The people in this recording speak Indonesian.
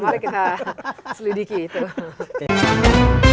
mari kita selidiki itu